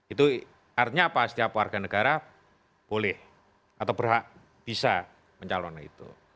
itu artinya apa setiap warga negara boleh atau berhak bisa mencalon itu